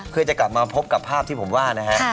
เพื่อจะกลับมาพบกับภาพที่ผมว่านะฮะ